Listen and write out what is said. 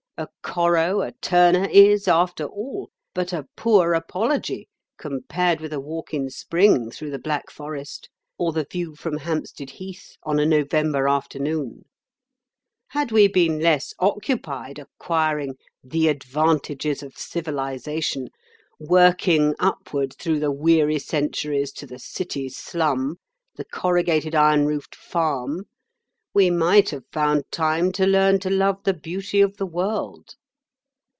A Corot, a Turner is, after all, but a poor apology compared with a walk in spring through the Black Forest or the view from Hampstead Heath on a November afternoon. Had we been less occupied acquiring 'the advantages of civilisation,' working upward through the weary centuries to the city slum, the corrugated iron roofed farm, we might have found time to learn to love the beauty of the world.